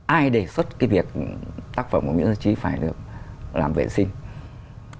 ai đề xuất cái việc tác phẩm của nguyễn gia trí phải được làm vệ sinh